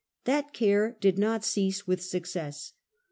That care did not cease with success.